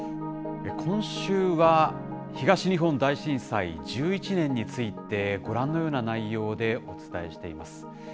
今週は東日本大震災１１年についてご覧のような内容でお伝えしています。